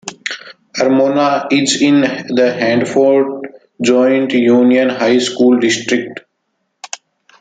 Armona is in the Hanford Joint Union High School District.